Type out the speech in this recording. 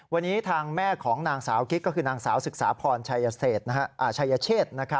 วันนี้ทางแม่ของนางสาวกิ๊กก็คือนางสาวศึกษาพรชัยเชษ